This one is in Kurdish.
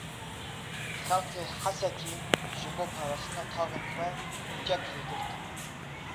Xelkê Hesekê ji bo parastina taxên xwe çek hilgirtin.